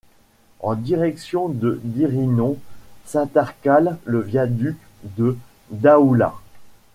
En direction de Dirinon s'intercale le viaduc de Daoulas.